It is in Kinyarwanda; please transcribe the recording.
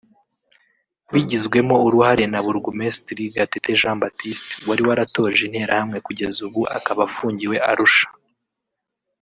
bigizwemo uruhare na Burugumesitiri Gatete Jean Baptiste wari waratoje interehamwe kugeza ubu akaba afungiwe Arusha